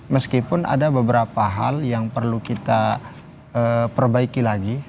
meskipun ada beberapa hal yang perlu kita perbaiki lagi